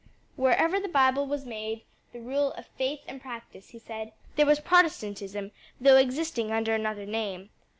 "Wherever the Bible was made the rule of faith and practice," he said, "there was Protestantism though existing under another name.